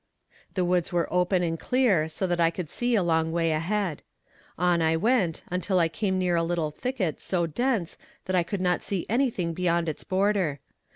The woods were open and clear so that I could see a long way ahead. On I went until I came near a little thicket so dense that I could not see anything beyond its border.